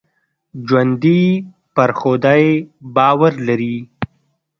ژوندي پر خدای باور لري